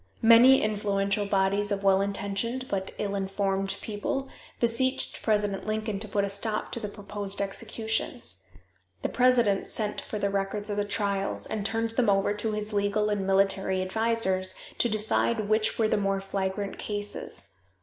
Many influential bodies of well intentioned but ill informed people beseeched President Lincoln to put a stop to the proposed executions. The president sent for the records of the trials, and turned them over to his legal and military advisors to decide which were the more flagrant cases.